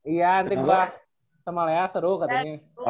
iya nanti gue sama lea seru katanya